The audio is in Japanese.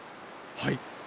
はい。